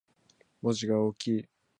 文字が大きい